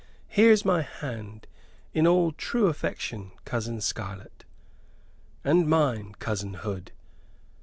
Here's my hand in all true affection, cousin Scarlett." "And mine, cousin Hood."